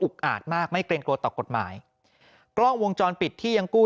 อาจมากไม่เกรงกลัวต่อกฎหมายกล้องวงจรปิดที่ยังกู้